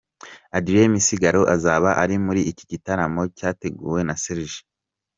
Adrien Misigaro azaba ari muri iki gitaramo cyateguwe na Serge.